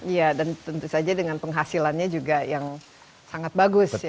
iya dan tentu saja dengan penghasilannya juga yang sangat bagus ya